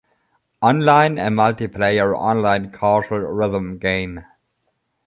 Online, a multiplayer online casual rhythm game.